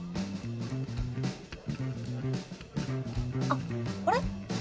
あっこれ？